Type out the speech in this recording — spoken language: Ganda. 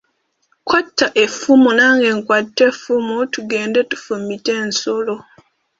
Kwata effumu nange nkwate effumu tugende tufumite ensolo.